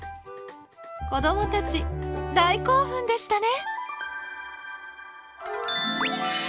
子どもたち大興奮でしたね！